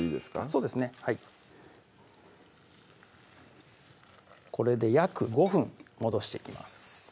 そうですねはいこれで約５分戻していきます